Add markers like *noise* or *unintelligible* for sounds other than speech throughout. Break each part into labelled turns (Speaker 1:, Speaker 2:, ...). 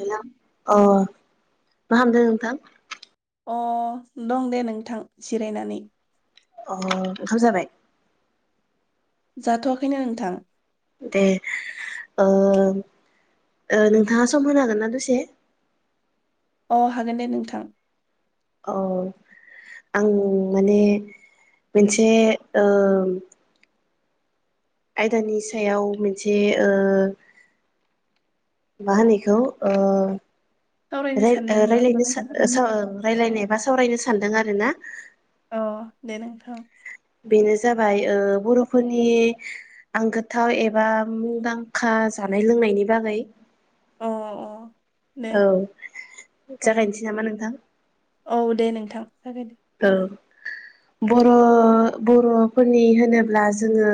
Speaker 1: Hello औ। माहामदो नोंथां?
Speaker 2: अ दं दे नोंथां जिरायनानै
Speaker 1: अ ओंखाम जाबाय?
Speaker 2: जाथवाखैनो नोंथां
Speaker 1: दे ओ नोंथाङा सम होनो हागोन ना दसे?
Speaker 2: अ हागोन दे नोंथां
Speaker 1: औ आं माने मोनसे ओ आयदानि सायाव मोनसे ओ मा होनो इखौ ओ
Speaker 2: सावरायनो
Speaker 1: राय
Speaker 2: सानदों नामा
Speaker 1: रायलायनो सा
Speaker 2: नोंथां
Speaker 1: सा रायलायनो बा सावरायनो सा सानदों आरोना
Speaker 2: अ दे नोंथां
Speaker 1: बेनो जाबाय ओ बरफोरनि आंगोथाव एबा मुंदांखा जानाय लोंनायनि बागै
Speaker 2: अ अ दे
Speaker 1: औ
Speaker 2: औ
Speaker 1: जागायनोसै नामा नोंथां?
Speaker 2: औ दे नोंथां जागाय दे
Speaker 1: औ बर बरफोरनि होनोब्ला जोङो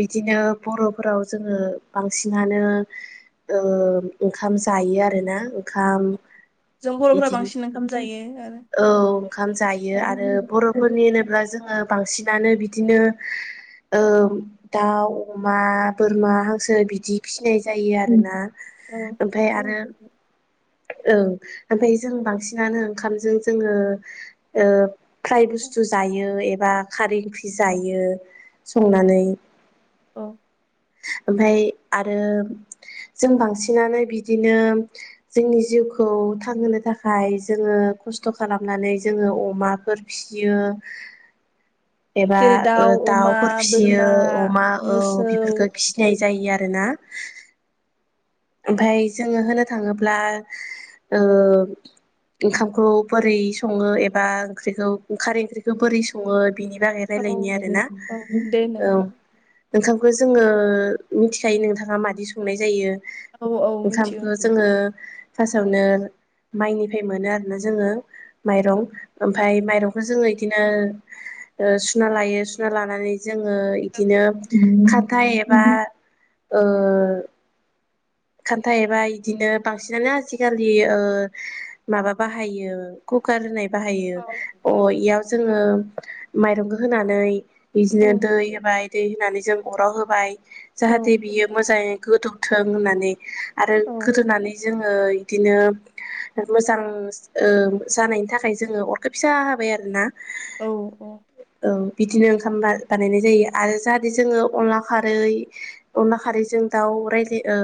Speaker 1: बिदिनो बरफोराव जोङो बांसिनानो ओंखाम जायो आरोना ओंखाम
Speaker 2: जों बरफोरा
Speaker 1: बिदिनो
Speaker 2: बांसिन ओंखाम जायो आरो
Speaker 1: औ ओंखाम
Speaker 2: औ
Speaker 1: जायो आरो बरफोरनि होनोब्ला जोङो बांसिन नानो बिदिनो दाउ अमा बोरमा हांसो बिदि फिसिनाय जायो आरोना
Speaker 2: औ
Speaker 1: ओमफ्राय
Speaker 2: औ
Speaker 1: आरो औ ओमफ्राय जों बांसिनानो ओंखाम जों जोङो फ्राय बुस्थु जायो बा खारै ओंख्रि जायो
Speaker 2: औ
Speaker 1: संनानै
Speaker 2: औ
Speaker 1: ओमफ्राय आरो जों बांसिनानो बिदिनो जोंनि जिउखौ थांहोनो थाखाय जोङो खस्थ खालामनानै जोङो अमाफोर फियो। एबा
Speaker 2: जेरै दाउ अमा
Speaker 1: दाउफोर फिसियो
Speaker 2: बोरमा
Speaker 1: अमा औ
Speaker 2: मोसौ
Speaker 1: बेफोरफोरखौ फिसिनाय जायो आरो ना ओमफाय जोङो होनो थाङोब्ला ओ ओंखामखौ बोरै सङो एबा ओंख्रिखौ ओं खारै ओंख्रिखौ बोरै सङो? बिनि बागै
Speaker 2: औ
Speaker 1: रायलायनि आरोना
Speaker 2: औ दे नों
Speaker 1: औ ओंखा जोङो मिथिखायो नोंथाङा माबादि संनाय जायो।
Speaker 2: औ औ
Speaker 1: ओंखामखौ जोङो
Speaker 2: मिथिगौ
Speaker 1: फार्स्टआवनो माइनिफ्राय मोनो आरोना जोङो माइरं ओमफ्राय माइरंखौ जोङो बिदिनो सुना लायो सुना लानानै जोङो इदिनो खान्थाइ एबा ओ खान्था एबा इदिनो बांसिनानो आजि खालि ओ माबा बाहायो कुकार होननाय।
Speaker 2: औ
Speaker 1: बाहायो
Speaker 2: औ
Speaker 1: अ इयाव जोङो मायरंखौ होनानै
Speaker 2: औ
Speaker 1: बिदिनो दै होबाय दै होनानै। जों अराव होबाय।
Speaker 2: औ
Speaker 1: जाहाथे बियो मोजाङै गोदौ थों होननानै। आरो गोदोनानै जोङो इदिनो मोजां ओ जानायनि थाखाय जोङो अरखो फिसा होबाय आरोना।
Speaker 2: औ औ।
Speaker 1: औ बिदिनो ओंखाम बा-बानायनाय जायो आरो जाहाथे जोङो अनला खारै अनला खारैजों दाउ रायज्ला ओ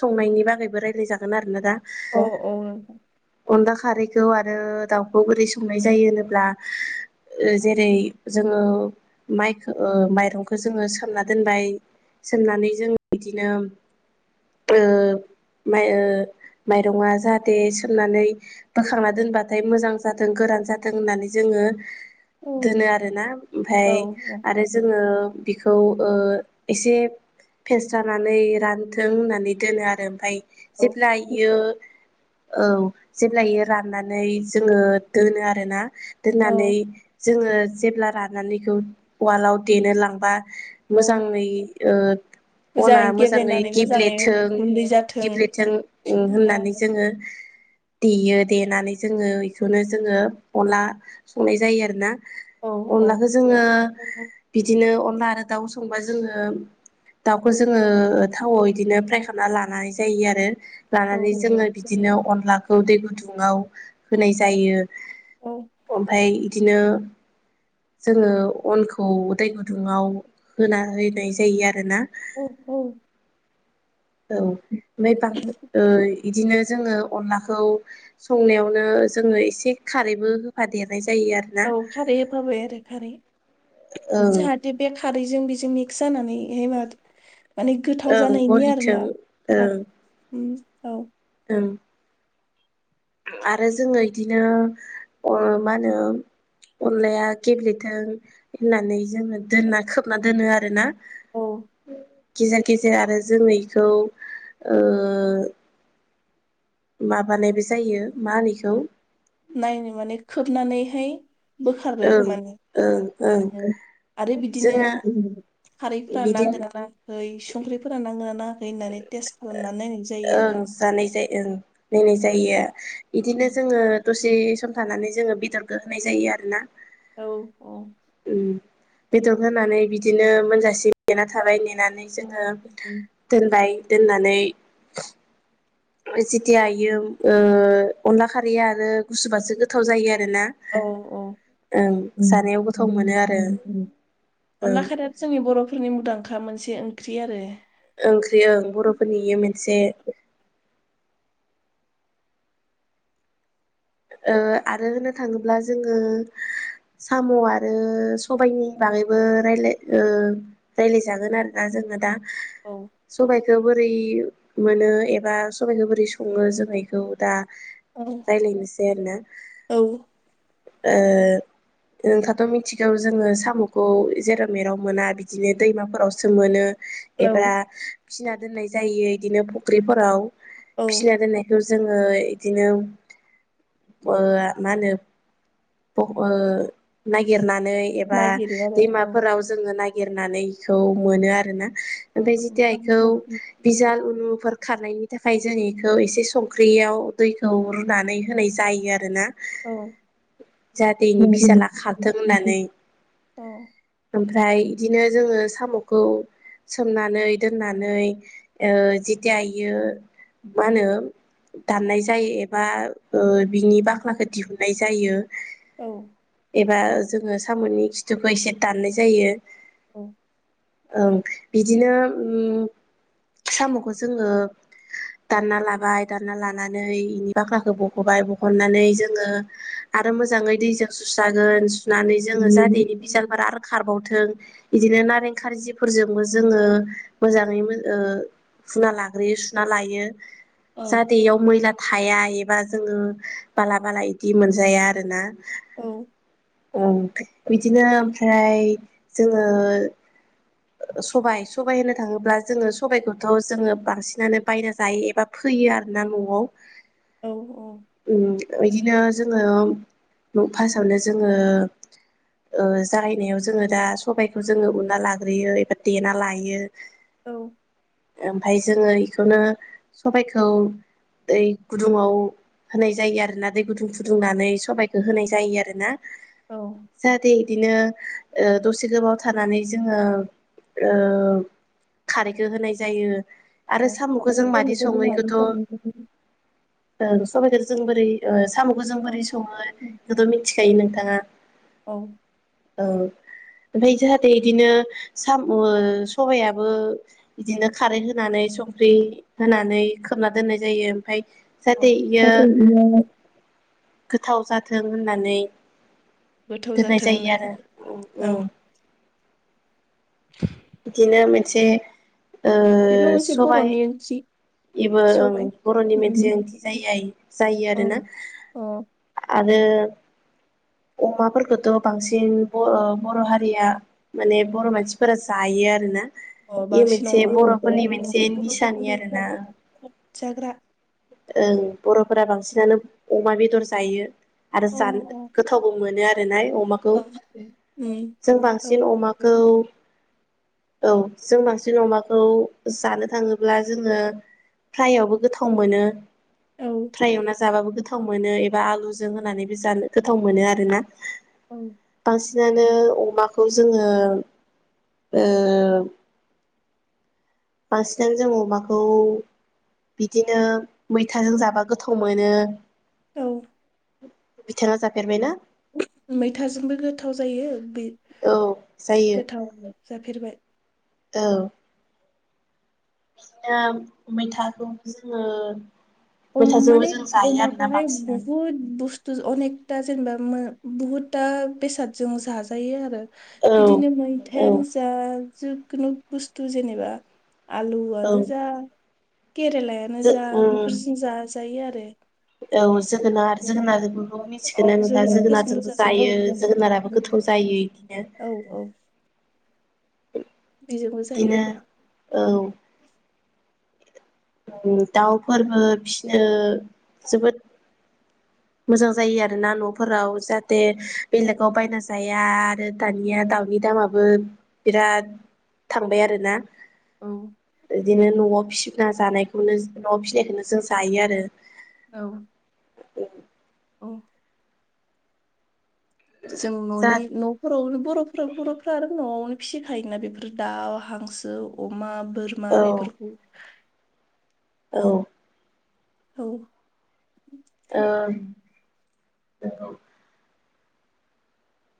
Speaker 1: संनायनि बागैबो रायज्लाय जागोन आरोना दा।
Speaker 2: औ औ नोंथां
Speaker 1: अनला खारैखौ आरो दाउखौ बोरै संनाय जायो होनोब्ला जेरै- जोङो माइखो माइरंखौ जोङो सोमना दोनबाय सोमनानै जों बिदिनो। ओ माइ ओ माइरङा जाहाथे सोमनानै बोखांना दोनबाथाय मोजां जाथों गोरान जाथों होननानै जोङो दोनो आरोना
Speaker 2: औ
Speaker 1: ओमफाय आरो जोङो बिखौ ओ एसे फेस्रानानै रानथों होननानै दोनो आरो ओमफाय। जेब्ला इयो औ जेब्ला इयो राननानै जोङो दोनो आरो ना
Speaker 2: औ
Speaker 1: दोननानै जोङो जेब्ला रानानैखौ उवालाव देनो लांबा
Speaker 2: औ
Speaker 1: मोजाङै ओ
Speaker 2: मोजाङै गेब्लेनानै मोजाङै
Speaker 1: थों
Speaker 2: गुन्दै जाथों
Speaker 1: गिब्रेथों
Speaker 2: औ
Speaker 1: होननानै जोङो देयो देनानै जोङो इखौनो जोङो अनला संनाय जायो आरोना।
Speaker 2: औ
Speaker 1: अनलाखौ जोङो बिदिनो अ ला आरो दाउ संबा जोङो दाउखौ जोङो थावआव इदिनो फ्राय खालामना लानाय जायो आरो।
Speaker 2: औ
Speaker 1: लानानै जोङो बिदिनो अनला खौ दै गुदुङाव होनाय जायो।
Speaker 2: औ
Speaker 1: ओम्फाय बिदिनो जोङो अनखौ दै गुदुंआव होना होनाय जायो आरोना
Speaker 2: औ औ
Speaker 1: औ आमफाय बां ओ इदिनो जोङो अनलाखौ संनायावनो जोङो एसे खारैबो होफादेरनाय जायो आरोना
Speaker 2: औ खारै होफाबाय आरो खारै
Speaker 1: ओं
Speaker 2: जाहाथे बे खारैजों बेजों मिक्स जा। *unintelligible* माने गोथाव
Speaker 1: ओं
Speaker 2: जानायनि
Speaker 1: गलिथों
Speaker 2: आरोना थाब। औ।
Speaker 1: उम। आरो जोङो बिदिनो मा होनो अनलाया गेब्लेथों होननानै जोङो दोनना खोबना दोनो आरोना
Speaker 2: औ
Speaker 1: गेजेर गेजेर आरो जोङो बेखौ ओ। माबानायबो जायो मा होनैखौ।
Speaker 2: नायनो माने खोबनानैहाय। बोखारो
Speaker 1: ओं
Speaker 2: माने
Speaker 1: ओं ओं
Speaker 2: नायो आरो बिदिनो।
Speaker 1: जोङो
Speaker 2: खारैफोरा
Speaker 1: बिदिनो
Speaker 2: नांगोन ना। ओइ संख्रिफोरा नांगोन ना। *unintelligible* टेस्ट खालामनानै नायनाय जायोआरो।
Speaker 1: ओं जानाय जायो ओं नायनाय जायो। इदिनो जोङो दसे सम थानानै जोङो। बेदरखौ होनाय जायो आरो ना।
Speaker 2: औ औ।
Speaker 1: उ बेदर होनानै बिदिनो मोनजासिम नेना थाबाय ने। *unintelligible* जोङो दोनबाय दोननानै जेतिया इयो ओ अनला खारैया आरो गुसुबासो गोथाव जायो आरो।
Speaker 2: औ औ
Speaker 1: जानायाव गोथाव मोनो आरो
Speaker 2: अनला
Speaker 1: ओं
Speaker 2: खारैयाथ जोंनि बरफोरनि मुंदांखा मोनसे ओं। ओंख्रि आरो‌
Speaker 1: ओंख्रि ओं बरफोरनि इयो मोनसे। ओ आरो होननो थाङोब्ला जोङो साम आरो सबायनि बागैबो रायलाय ओ रायलायजा। जागोनआरोना जोंना दा
Speaker 2: औ
Speaker 1: सबायखो। बोरै मोनो एबा सबाइखौ बोरै सङो जों इखौ दा।
Speaker 2: औ
Speaker 1: रायलायनोसै *unintelligible* आरोना।
Speaker 2: औ
Speaker 1: ओ नोंथाथ मिथिगौ जोङो साम खौ जेराव मेराव मोना बिदिनो दैमाफोरावसो मोनो।
Speaker 2: औ
Speaker 1: एबा। फिसिना दोननाय जायो इदिनो फख्रिफोराव।
Speaker 2: औ
Speaker 1: फिसिना दोननाय खौ जों। जोङो इदिनो। ओ मा होनो *inaudible* नागिरनानै। नै एबा
Speaker 2: नागिरो आरो औ
Speaker 1: दैमाफोराव जों नागिर। एरनानैखौ मोनो आरो ना।
Speaker 2: औ
Speaker 1: ओमफाय जितिया‌ इखौ
Speaker 2: औ
Speaker 1: बिजाल उनु फोर। खारनायनि थाखाय जों इखौ एसे संख्रियाव दैखौ रुनानै। होनाय जायो आरोना।
Speaker 2: औ
Speaker 1: जाहाते इनि बिजाला खारथों होननानै।
Speaker 2: औ
Speaker 1: ओमफ्राय इदिनो जोङो साम'खौ सोमनानै दोननानै ओ जितिया इयो मा होनो दाननाय जायो एबा ओ बिनि बाख्लाखो दिहुननाय जायो।
Speaker 2: औ।
Speaker 1: एबा जोङो सामनि खिथुखो एसे दाननाय जायो।
Speaker 2: औ।
Speaker 1: ओं बिदिनो उम सामखौ जोङो दानना लाबाय दानना लानानै इनि बाख्लाखो ब बख'बाय बहननानै जोङो आरो मोजाङै दैजों सुस्रागोन। नानै जोङो जाहाते इनि बिजिलफोरा आरो खारबाव। थों इदिनो नारें खारजिफोरजोंबो जोङो मोजाङै मो ओ हुना लाग्रोयो सुना लायो। जा इयाव मैला थाया। बास *unintelligible* जोङो बाला बाला इदि मोनजाया आरोना।
Speaker 2: औ।
Speaker 1: ओं बिदिनो ओमफ्राय जोङो सबाय-सबाय होननो थाङोब्ला जोङो सबायखौथ जोङो बांसिनानो बायना जायो एबा फोयो आरोना नआव।
Speaker 2: औ औ
Speaker 1: उम इदि नो जोङो फासावनो जोङो ओ जागायनायाव जोङो दा सबायखौ जोङो उनना लाग्रोयो एबा देना लायो।
Speaker 2: औ।
Speaker 1: ओमफाय जोङो इखौनो सबबायखौ दै गुदुंङाव होनाय जायो आरोना दै गुदुं फुदुंनानै। सबाइखौ होनाय
Speaker 2: औ
Speaker 1: जायो आरो ना।
Speaker 2: औ
Speaker 1: जाहा टे इदिनो ओ दसे गोबाव थानानै जोङो ओ खारैखो होनाय जायो। आरो
Speaker 2: औ
Speaker 1: साम'खो
Speaker 2: खारै
Speaker 1: जों
Speaker 2: बेखौ
Speaker 1: मादि सङो
Speaker 2: जोंहा
Speaker 1: इखोथ' ओ
Speaker 2: बेसेबां
Speaker 1: सबायखो जों बोरै ओ सामखौ जों बोरै सङो इखोथ' मिनथि यो नोंथाङा?
Speaker 2: औ।
Speaker 1: औ ओमफाय जाहाथे इदिनो साम' सबायाबो बिदिनो खारै होनानै संख्रि होनानै खोबना दोननाय जायो ओमफाय
Speaker 2: औ *unintelligible*
Speaker 1: गोथाव जाथों होननानै
Speaker 2: गोथाव
Speaker 1: दोननाय
Speaker 2: जाथों
Speaker 1: जायो
Speaker 2: होननानै
Speaker 1: आरो।
Speaker 2: औ
Speaker 1: उम बिदिनो मोनसे ओ
Speaker 2: बेबो मोनसे
Speaker 1: सबाया
Speaker 2: बर'नि ओंख्रि
Speaker 1: इबो ओं
Speaker 2: सबाय
Speaker 1: बरनि
Speaker 2: उम
Speaker 1: मोनसे ओंथि जायाय जायो
Speaker 2: औ
Speaker 1: आरोना।
Speaker 2: अ
Speaker 1: ओ अमाफोरखोथ बांसिन ओ बर' बर' हारिया माने बर' मानसिफोर जायो आरोनो
Speaker 2: अ बांसिन अमा
Speaker 1: निसानि आरोना
Speaker 2: जाग्रा
Speaker 1: ओं बर'फोरा बांसिनानो अमा बेदर जायो आरो
Speaker 2: औ
Speaker 1: जानो गोथावबो मोनो आरो *unintelligible* बांसिन अमाखौ
Speaker 2: उम
Speaker 1: औ जों बांसिन अमाखौ जानो थाङोब्ला जोङो फ्रायआवबो गोथाव मोनो
Speaker 2: औ
Speaker 1: फ्राय एवना जा जाबाबो गोथाव मोनो बा आलुजों होनानै बे जानो गोथाव मोनो आरो ना
Speaker 2: औ
Speaker 1: बांसिनानो अमाखो खौ जोङो ओ बांसिनानो जों अमाखौ बिदिनो मैथाजों जाबा गोथाव मोन मोनो
Speaker 2: औ
Speaker 1: बिथाङा जाफेरबायना
Speaker 2: मैथाजोंबो गोथाव जायो बे
Speaker 1: औ जायो
Speaker 2: गोथाव जाफेरबाय
Speaker 1: औ ओम मैथाखौ जोङो
Speaker 2: उम
Speaker 1: मैथाजोंबो
Speaker 2: माने
Speaker 1: जों जायो आरोना
Speaker 2: अमाखौहाय
Speaker 1: बांसिनानो
Speaker 2: बुहुद बुस थु ओ अनेकथा जेनेबा बुहुदथा बेसादजों जाजायो आरो
Speaker 1: औ
Speaker 2: बिदिनो मैथायानो
Speaker 1: औ
Speaker 2: जा जिखुनु बुस्थु जेनेबा
Speaker 1: औ
Speaker 2: आलुआनो जा केरेलायानो
Speaker 1: जो
Speaker 2: जा
Speaker 1: उम
Speaker 2: बिजों जा जायो आरो
Speaker 1: औ जोगोनार जोगोनारथ
Speaker 2: अ
Speaker 1: मिथिगोना नोंथां
Speaker 2: जोगोनारफोरजोंबो
Speaker 1: जोगोनारजोंबो
Speaker 2: जाजायो
Speaker 1: जायो जोगोनाराबो गोथाव जायो इदिनो
Speaker 2: औ औ बेजोंबो जायो
Speaker 1: बिदिनो
Speaker 2: आरो
Speaker 1: औ दाउफोरबो फिसिनो जोबोद मोजां जायो आरोना न'फोराव जाहाथे बेलेगाव बायना जाया आरो दानिया दाउनि दामाबो बिराद थांबाय आरोना।
Speaker 2: औ
Speaker 1: बिदिनो न'आव फिसिना जानायखौनो न'आव फिनायखौनो जों जायो आरो।
Speaker 2: औ अ' जों
Speaker 1: जा
Speaker 2: न'नि नफोराव बर'फ्रा बर'फ्रा आरो न'आवनो फिसिखायोना बेफोर दाउ, हांसो, अमा। बोरमा
Speaker 1: औ
Speaker 2: बेफोरखौ
Speaker 1: औ
Speaker 2: औ
Speaker 1: नोंगौ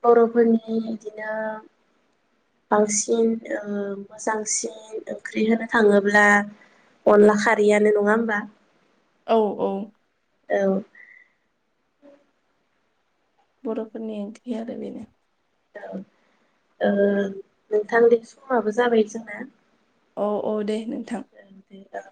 Speaker 1: बर'फोरनि बिदिनो बांसिन ओ मोजांसिन ओंख्रि होनो थाङोब्ला अनला खारैयानो नङा होमबा?
Speaker 2: औ औ।
Speaker 1: औ
Speaker 2: बर'फोरनि ओंख्रि आरो बेनो।
Speaker 1: औ ओ नोंथांनि समाबो जाबाय जोंना।
Speaker 2: औ औ दे नों थां।
Speaker 1: दे औ